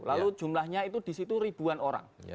lalu jumlahnya itu di situ ribuan orang